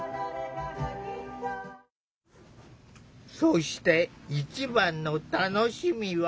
そして一番の楽しみは。